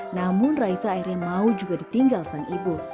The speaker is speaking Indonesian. namun raisa akhirnya mau juga ditinggal sang ibu